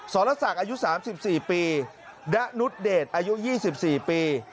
สรศักดิ์อายุ๓๔ปีดะนุษเดชอายุ๒๔ปี